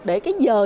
để dời dậy